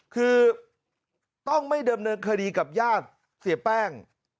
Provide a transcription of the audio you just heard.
คือต้องไม่เดิมเนินคดีกับญาติเสียแป้ง